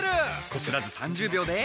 こすらず３０秒で。